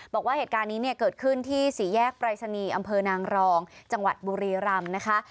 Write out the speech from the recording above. บอกว่าเหตุการณ์นี้เนี่ยเกิดขึ้นที่สี่แยกปรายศนีย์อำเภอนางรองจังหวัดบุรีรำนะคะ